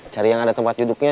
cari yang ada tempat duduknya